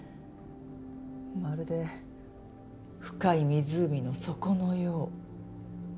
まるで深い湖の底のよう。